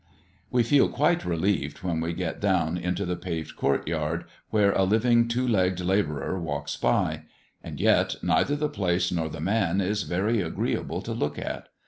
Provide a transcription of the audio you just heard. We feel quite relieved when we get down into the paved court yard, where a living two legged labourer walks by; and yet neither the place nor the man is very agreeable to look at.